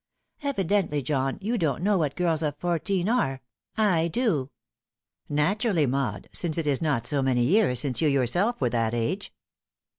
"Evidently, John, you don't know what girls of fourteen are. I do." " Naturally, Maud, since it is not so many years since you yourself were that age."